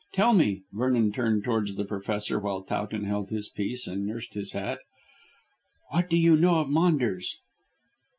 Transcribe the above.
Tell me," Vernon turned towards the Professor while Towton held his peace and nursed his hat, "what do you know of Maunders?"